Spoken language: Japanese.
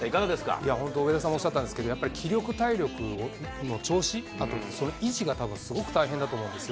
いや、本当、上田さんおっしゃったんですけど、やっぱり気力、体力の調子、あと、その維持がたぶんすごく大変だと思うんですよ。